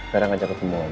vera gak jatuh kemauan